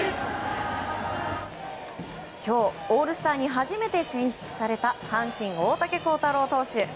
今日、オールスターに初めて選出された阪神、大竹耕太郎投手。